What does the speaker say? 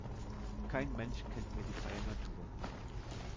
Kein Mensch kennt mehr die freie Natur.